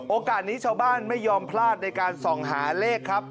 โอกาสนี้ชาวบ้านไม่ยอมพลาดในการส่องหาเลขครับ